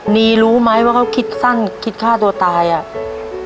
ีรู้ไหมว่าเขาคิดสั้นคิดฆ่าตัวตายอ่ะ